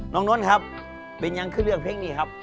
น้องนนท์ครับเป็นยังคือเลือกเพลงนี้ครับ